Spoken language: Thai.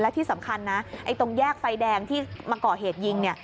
ที่สำคัญนะตรงแยกไฟแดงที่มาก่อเหตุยิง